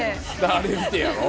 あれ見てやろ？